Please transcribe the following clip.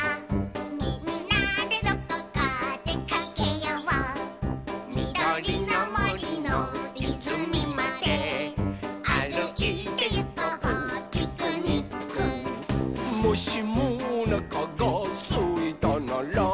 「みんなでどこかでかけよう」「みどりのもりのいずみまであるいてゆこうピクニック」「もしもおなかがすいたなら」